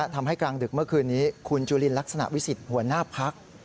กลางดึกเมื่อคืนนี้คุณจุลินลักษณะวิสิทธิ์หัวหน้าพัก